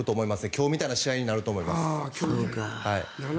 今日みたいな試合になると思います。